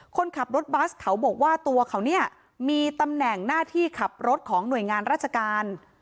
คนขับรถบัสเขาบอกว่าตัวเขาเนี่ยมีตำแหน่งหน้าที่ขับรถของหน่วยงานราชการ